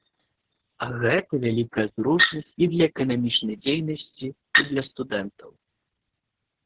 А гэта вялікая зручнасць і для эканамічнай дзейнасці, і для студэнтаў.